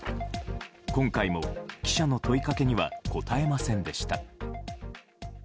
今回も記者の問いかけには答えませんでした。